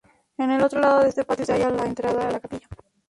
En el otro lado de este patio se haya la entrada a la capilla.